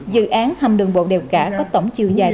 dự án hầm đường bộ đèo cả có tổng chiều dài